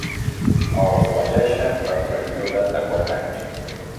Els elegeixen per període de quatre anys.